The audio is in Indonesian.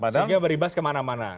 sehingga beribas kemana mana